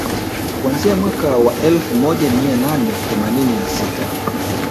Kuanzia mwaka wa elfu moja mia nane themanini na sita